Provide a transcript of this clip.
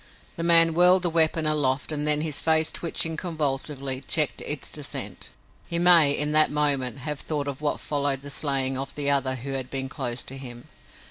The man whirled the weapon aloft and then, his face twitching convulsively, checked its descent. He may, in that moment, have thought of what followed the slaying of the other who had been close to him.